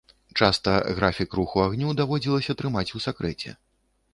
Часта графік руху агню даводзілася трымаць у сакрэце.